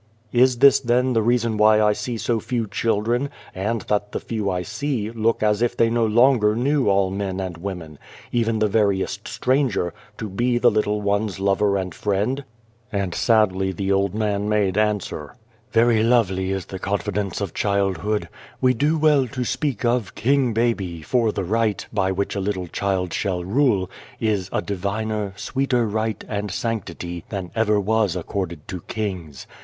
" Is this then the reason why I see so few children, and that the few I see, look as if they no longer knew all men and women even the veriest stranger to be the little ones' lover and friend?" 250 Without a Child And sadly the old man made answer :" Very lovely is the confidence of childhood. We do well to speak of ( King Baby,' for the right, by which a little child shall rule, is a diviner, sweeter right and sanctity than ever was accorded to kings.